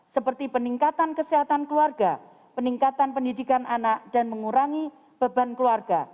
seperti peningkatan kesehatan keluarga peningkatan pendidikan anak dan mengurangi beban keluarga